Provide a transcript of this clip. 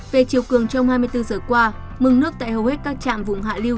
về chiều cường trong hai mươi bốn giờ qua mừng nước tại hầu hết các trạm vùng hạ lưu